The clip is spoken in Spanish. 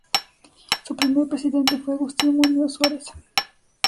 Su primer presidente fue Agustín Muñoz Suárez.